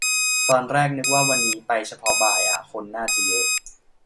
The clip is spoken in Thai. ตอนแรกนึกว่าวันนี้ไปเฉพาะบ่ายอ่ะ คนน่าจะเยอะ